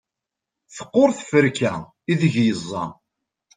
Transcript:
teqqur tferka ideg yeẓẓa